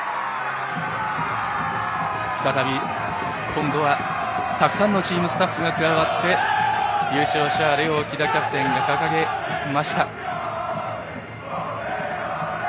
今度は、たくさんのチームスタッフが加わって優勝シャーレを喜田キャプテンが掲げました。